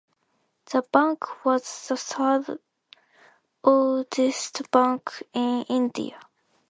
The bank was the third oldest bank in India.